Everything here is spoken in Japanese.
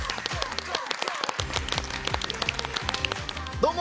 どうも。